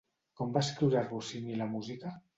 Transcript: Com va escriure Rossini la música?